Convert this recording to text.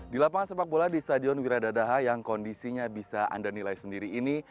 di lapangan sepak bola di stadion wiradadaha yang kondisinya bisa anda nilai sendiri ini